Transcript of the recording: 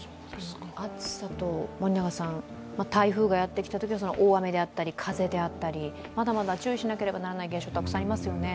暑さと台風がやってきたときは大雨であったり、風であったり、まだまだ注意しなければならない現象たくさんありますね。